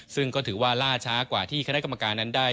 ซึ่งก็ถือว่าล่าช้ากว่าที่คณะกรรมการนั้นได้